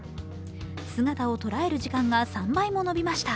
姿を捉える時間が３倍も延びました